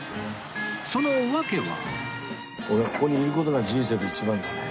その訳は？